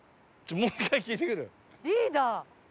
リーダー！